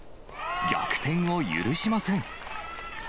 逆転を許しません。